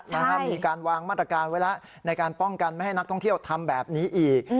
มีการวางมาตรการไว้แล้วในการป้องกันไม่ให้นักท่องเที่ยวทำแบบนี้อีก